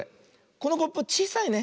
このコップちいさいね。